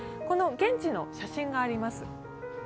この現地の写真があります。